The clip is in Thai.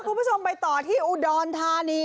คุณผู้ชมไปต่อที่อุดรธานี